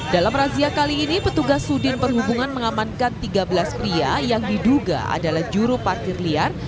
dalam razia kali ini petugas sudin perhubungan mengamankan tiga belas pria yang diduga adalah juru parkir liar